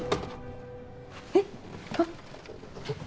えっあっ。